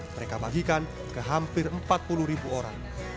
mereka bagikan ke hampir empat puluh ribu orang